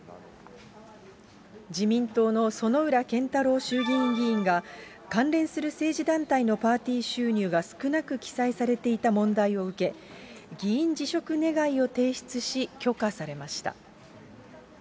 自民党の薗浦健太郎衆議院議員が、関連する政治団体のパーティー収入が少なく記載されていた問題を受け、議員辞職願を提出し、許可されました。